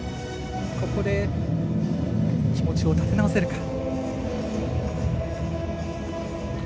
ここで気持ちを立て直せるか。